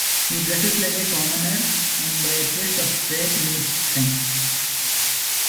He dresses like a commoner and by a twist of fate meets Feng.